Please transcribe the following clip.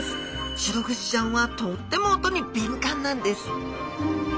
シログチちゃんはとっても音に敏感なんです